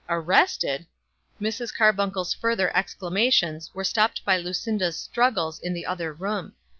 "Arrested!" Mrs. Carbuncle's further exclamations were stopped by Lucinda's struggles in the other room.